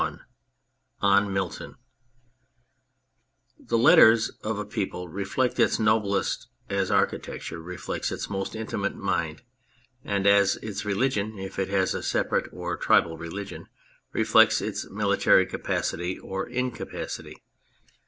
141 ON MILTON THE letters of a people reflect its noblest as architecture reflects its most intimate mind and as its religion (if it has a separate or tribal religion) reflects its military capacity or incapacity.